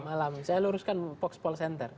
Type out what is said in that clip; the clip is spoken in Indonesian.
selamat malam saya luruskan vox pol center